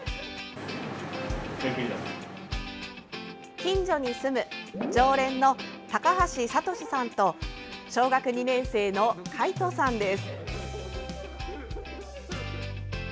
近所に住む常連の高橋里さんと小学２年生の海翔さんです。